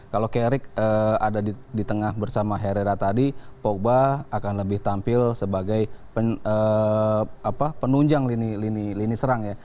kalau carrick ada di tengah bersama herrera tadi pogba akan lebih tampil sebagai penunjang lini serang ya